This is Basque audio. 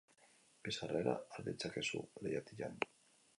Bi sarrera har ditzakezu leihatilan.